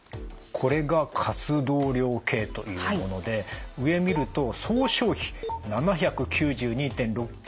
これが活動量計というもので上見ると総消費７９２．６ｋｃａｌと書いてます。